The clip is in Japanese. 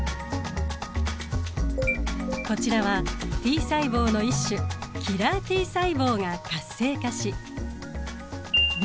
こちらはＴ細胞の一種キラーＴ細胞が活性化し病